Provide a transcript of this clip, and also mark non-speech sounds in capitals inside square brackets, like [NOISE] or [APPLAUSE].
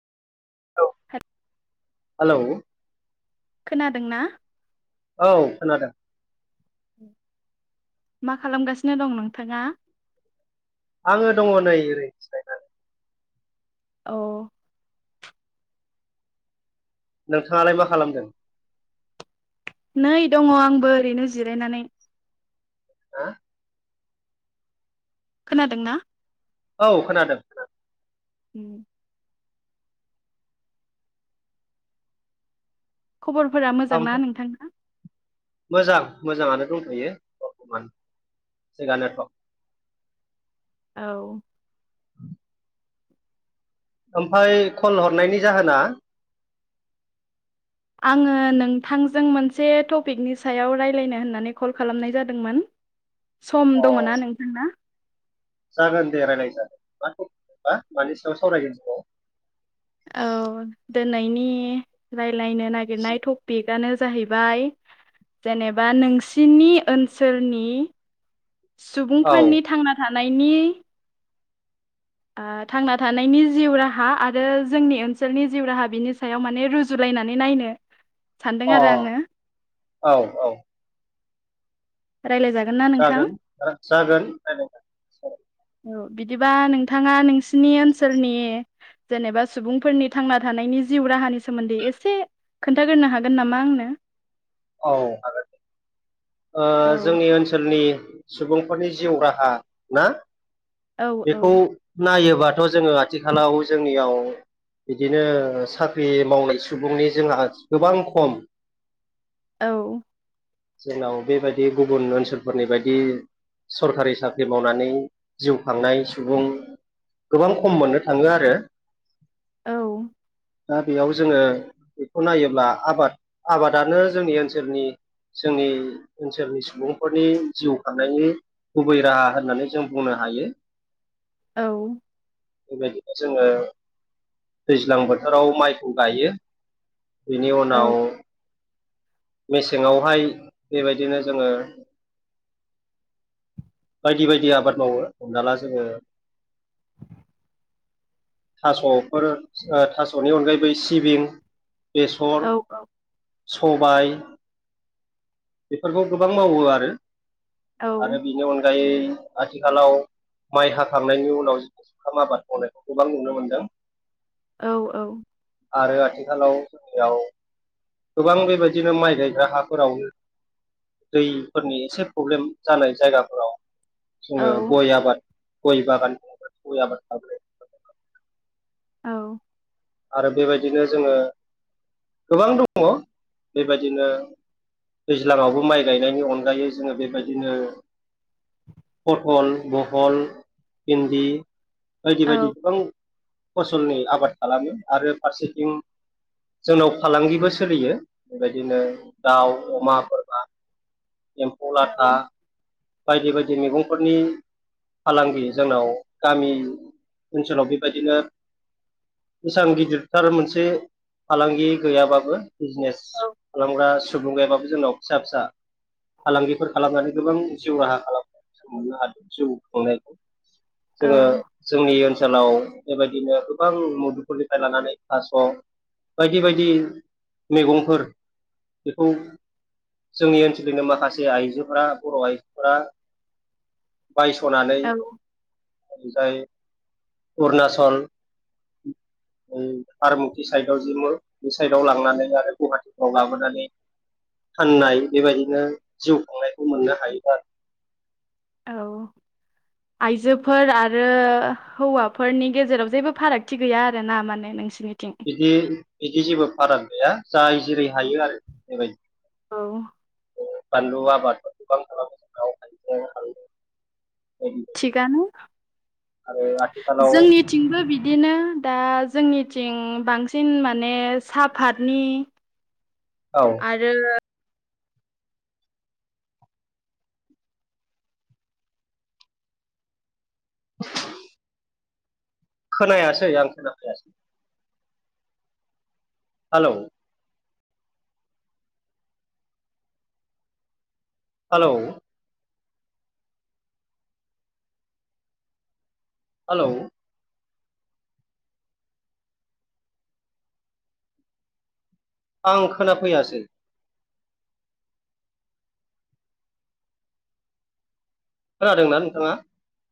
औ होद [UNINTELLIGIBLE] हेलौ। खोनादोंना? औ खोनादों। मा खालामगासिनो दं नोंथाङा आङो दङ नै ओरै जिरायनानै औ। नोंथाङालाय मा खालामदों। नै दङ आंबो ओरैनो जिरायनानै हा खोनादोंना? औ खोनादों खोनादों। उम। खबरफोरा मोजां ना ओमफ्राय नोंथांहा। मोजां मोजाङानो दंथ'यो बरथमान थिगानोथ' औ। [INAUDIBLE] ओमफाय कल हरनायनि जाहोना आङो नोंथांजों मोनसे टपिकनि सायाव रायज्लायनो होननानै कल खालामनाय जादोंमोन। सम अ दङ ना नोंथांना? जागोन दे रायज्लाय जागोन मा थफिकबा मानि सायाव सावरायगोन जोङो? औ दिोनैनि रायलायनो नागिरनाय टपिक आंनो जाहैबाय जेनेबा नोंसिनि ओनसोलनि औ सुबुंफोरनि थांना थानायनि थांना थानायनि जिउ राहा आरो जोंनि ओनसोलनि जिउ राहा बिनि सायाव माने रुजुलाय नायनानै नायनो सानदों अ आरो आङो औ औ। रायलायजागोन ना नोंथां जागोन जागोन। औ बिदिबा नोंथाङा नोंसिनि ओनसोलनि जेनेबा सुबुंफोरनि थांना थानायनि जिउ राहानि सोमोन्दै एसे खोन्थागोरनो हागोन नामा आंनो औ हागोन ओ औ जोंनि ओनसोलनि सुबुंफोरनि जिउ राहा ना औ औ बेखौ नायो। बाथ' जोङो आथिखालाव जोंनियाव बिदिनो साख्रि मावनाय सुबुंनि जोंहा गोबां खम औ। जोंनाव बेबायदि गुबुन ओनसोलफोरनि बायदि सरखारि साख्रि मावनानै जिउ खांनाय सुबुं गोबां खम मोननो थाङो आरो। औ दा बेयाव जोङो बेखौ नायोब्ला आबाद आबादानो जोंनि ओनसोलनि जोंनि ओनसोलनि सुबुंफोरनि जिउ खांनायनि गुबै राहा होननानै जों बुंनो हायो। औ बेबायदिनो जोङो दैज्लां बोथोराव माइखौ गायो। बिनि औ उनाव मेसेङावहाय बेबायदिनो जोङो बायदि बायदि आबाद मावो हमना ला जोङो थास'फोर थास'नि अनगायैबोै सिबिं बेसर औ सबाय बेफोरखौ गोबां मावो आरो आरो बेनि अनगायै आथिखालाव माइ हाखांनायनि उनाव जों जुखाम आबाद मावनायखौ गोबां नुनो मोनदों। औ औ आरो आथिखालाव जोंनियाव गोबां बेबायदिनो माइ गायग्रा हाफोरावनो दैफोरनि एसे प्रब्लेम जानाय जायगाफोराव जोङो औ गय आबाद गय बागाननि गय आबाद खालामाय औ आरो बेबायदिनो जोङो गोबां दङ बेबायदिनो दैज्लाङावबो माइ गायनायनि अनगायै जोङो बेबायदिनो फटल बहल भिनदि बायदि औ बायदि गोबां फसलनि आबाद खालामो आरो फारसेथिं जोंनाव फालांगिबो सोलियो बेबायदिनो दाउ अमा बोरमा एम्फौ लाथा बायदि बायदि मैगंफोरनि फालांगि जोंनाव गामि ओनसोलाव बेबायदिनो बेसां गिदिरथार मोनसे फालांगि गैयाबाबो। बिजनेस खालामग्रा सुबुं गायाबाबो जोंनाव फिसा फिसा फालांगिफोर खालामनानै। गोबां जिउ राहा खालामनायों मोननो हादों जिउ खुंनायखौ जोङो औ जोंनि ओनसो ओनसोलाव बेबायदिनो गोबां मुदुफुलनिफ्राय लानानै थास' बायदि बायदि मैगंफोर बेखौ जोंनि ओनस सोंनो माखासे आइजोफोरा बर' आइजोफोरा। बायस'नानै औ ओ जाय अरुनाचल। [INAUDIBLE] फार्म साइडआव जि मुल बे साइडआव लांनानै आरो गुवाहाटिफ्राव लाबोनानै फाननाय बेबायदिनो जिउ खुंनायखौ मोननो हायोबा आरो। औ। आइजोफोर आरो हौवाफोरनि गेजेराव जेबो फारागथि गैया आरोना माने नोंसिनि बिदि बिदि जेबो फाराग गैया जाय जेरै हायो आरो बेबायदि औ। बानलु आबाद गोबां खालाम थिगानो आरो आथिखालाव जोंनिथिंबो बिदिनो दा। जोंनिथिं बांसिन माने सा पाथनि औ आरो। [INAUDIBLE] खोनायासै आं खोनाफैयासै। हेलौ। हेलौ। हेलौ। आं खोनाफैयासै। खोनादोंना नोंथाङा?